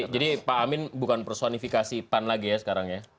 jadi pak amin bukan personifikasi pan lagi ya sekarang ya